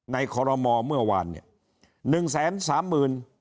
ในโคลอรมอเมื่อวานเนี่ยหนึ่งแสนสามหมื่น